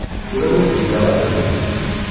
Ur awen-ttgeɣ abrid.